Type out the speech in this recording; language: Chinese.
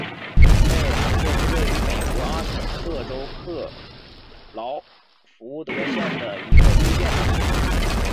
贝尔蒙特是位于美国阿肯色州克劳福德县的一个非建制地区。